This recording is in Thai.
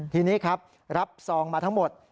ทีนี้ครับรับซองมาทั้งหมด